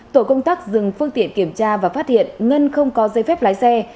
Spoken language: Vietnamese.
tổ công tác dừng phương tiện kiểm tra và phát hiện ngân không có dây phép lái xe